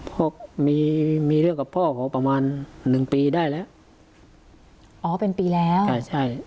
ก็มีมีเรื่องกับพ่อเขาประมาณหนึ่งปีได้แล้วอ๋อเป็นปีแล้วใช่ใช่